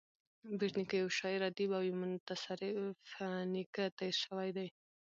بېټ نیکه یو شاعر ادیب او یو متصرف نېکه تېر سوى دﺉ.